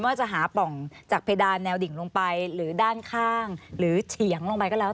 ว่าจะหาป่องจากเพดานแนวดิ่งลงไปหรือด้านข้างหรือเฉียงลงไปก็แล้ว